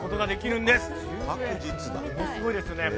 ものすごいですよね。